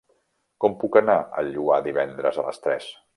Com puc anar al Lloar divendres a les tres?